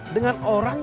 dengan orang yang